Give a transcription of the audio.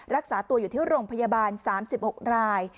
รักษาตัวอยู่ที่โรงพยาบาล๓๖ราย